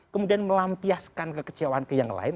kemudian melampiaskan kekecewaan ke yang lain